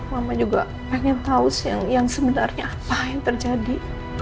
mama juga pengen tahu yang sebenarnya apa yang terjadi